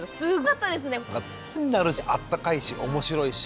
ためになるしあったかいし面白いし。